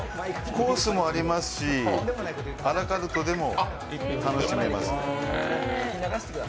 コースもありますし、アラカルトでも楽しめます。